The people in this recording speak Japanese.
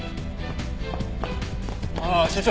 ああ所長